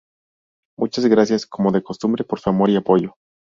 Muchas gracias, como de costumbre, por su amor y apoyo.